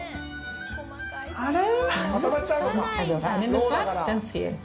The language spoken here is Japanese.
あれ？